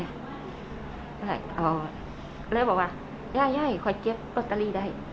ก็เลยบอกว่าย่าขอเก็บรถตาลีได้